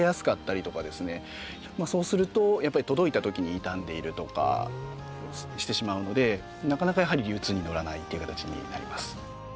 そうするとやっぱり届いたときに傷んでいるとかしてしまうのでなかなかやはり流通にのらないっていう形になります。